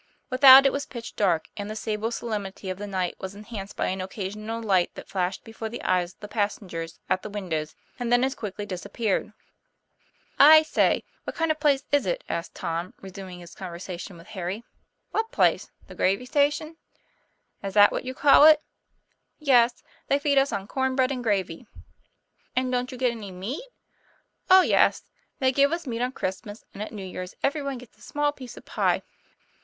Without it was pitch dark, and the sable solemnity of the night was enhanced by an occasional light that flashed before the eyes of the passengers at the windows, and then as quickly disappeared. 'I say, what kind of a place is it?" asked Tom, resuming his conversation with Harry. TOM PL A YF AIR. 37 " What place ? the gravy station ?" "Is that what you call it?" 'Yes; they feed us on corn bread and gravy." " And don't you get any meat?" "Oh, yes! they give us meat on Christmas; and at New Years every one gets a small piece of pie."